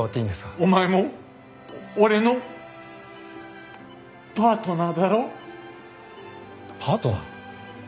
お前も俺のパートナーだろう？パートナー？